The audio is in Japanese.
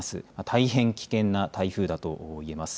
大変危険な台風だといえます。